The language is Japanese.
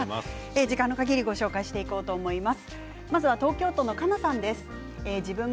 時間のかぎりご紹介していこうと思います。